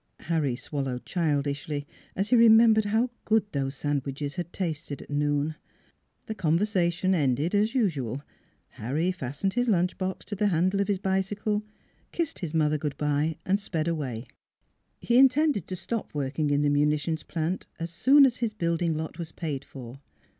... Harry swallowed childishly as he remembered how good those sandwiches had tasted at noon. ... The conversation ended as usual: Harry fastened his lunch box to the handle of his bicycle, kissed his mother good by, and sped away. He intended to stop working in the munitions plant as soon as his building lot was paid for.